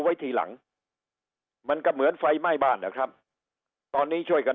ไว้ทีหลังมันก็เหมือนไฟไหม้บ้านนะครับตอนนี้ช่วยกัน